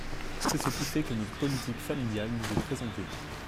C’est ce qui fait que notre politique familiale nous est très enviée.